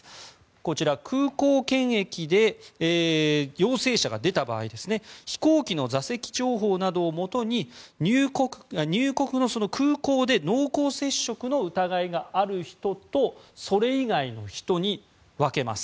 こちら、空港検疫で陽性者が出た場合飛行機の座席情報などをもとに入国の空港で濃厚接触の疑いがある人とそれ以外の人に分けます。